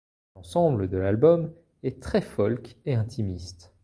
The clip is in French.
L'ensemble de l'album est très folk et intimiste.